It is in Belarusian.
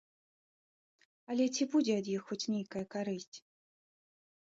Але ці будзе ад іх хоць нейкая карысць?